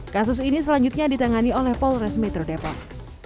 kasus ini selanjutnya ditangani oleh polres metro depok